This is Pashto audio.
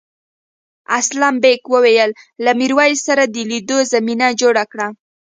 اسلم بېگ وویل له میرويس سره د لیدو زمینه جوړه کړه.